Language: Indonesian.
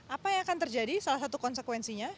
apa yang akan terjadi salah satu konsekuensinya